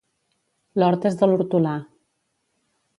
L'hort és de l'hortolà.